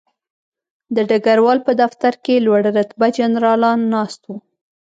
د ډګروال په دفتر کې لوړ رتبه جنرالان ناست وو